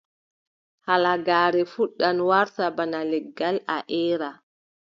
Halagaare fuɗɗan waata bana legal, a eera.